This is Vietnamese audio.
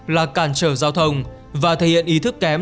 là cản trở giao thông và thể hiện ý thức kém